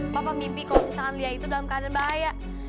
papa mimpi kalau misalkan dia itu dalam keadaan bahaya